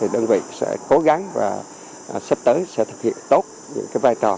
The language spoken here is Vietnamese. đơn vị sẽ cố gắng và sắp tới sẽ thực hiện tốt những vai trò